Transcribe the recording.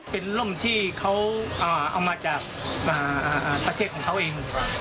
เป็นร่มที่เขาเอามาจากประเทศของเขาเอง